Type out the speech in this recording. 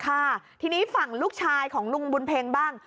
ค่ะทีนี้ฝั่งลูกชายของลุงบุญเพ็งบ้าง